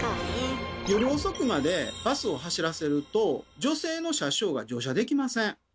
夜遅くまでバスを走らせると女性の車掌が乗車できません。